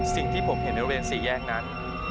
สิ่งที่ผมเห็นในเรียนศรีแยกนั้น